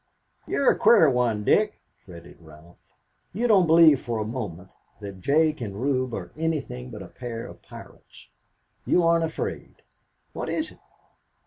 "You're a queer one, Dick," fretted Ralph. "You don't believe for a moment that Jake and Reub are anything but a pair of pirates. You aren't afraid. What is it?"